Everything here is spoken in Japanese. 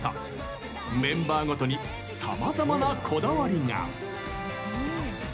メンバーごとにさまざまなこだわりが！